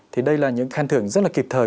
thì đây là những khen thưởng rất là kịp thời